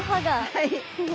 はい。